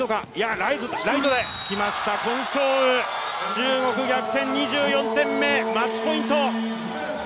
中国逆転、２４点目、マッチポイント。